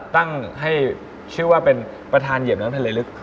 ตั้งให้ชื่อว่าเป็นประธานเหยียบน้ำทะเลลึก